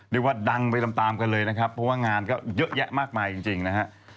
เรียกว่าดังไปตามตามกันเลยนะครับเพราะว่างานก็เยอะแยะมากมายจริงนะฮะ